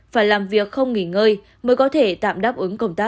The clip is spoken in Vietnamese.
phải làm việc không nghỉ ngơi mới có thể tạm đáp ứng công tác